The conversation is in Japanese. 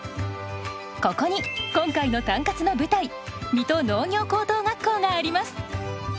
ここに今回の「タンカツ」の舞台水戸農業高等学校があります。